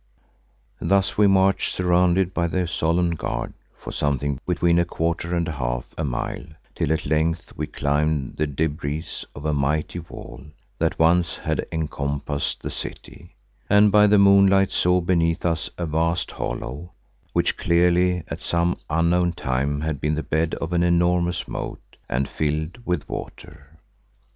Thus we marched surrounded by the solemn guard for something between a quarter and half a mile, till at length we climbed the debris of a mighty wall that once had encompassed the city, and by the moonlight saw beneath us a vast hollow which clearly at some unknown time had been the bed of an enormous moat and filled with water.